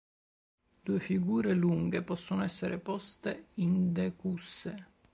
Due figure lunghe possono essere poste in decusse.